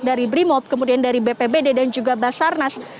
dari brimob kemudian dari bpbd dan juga basarnas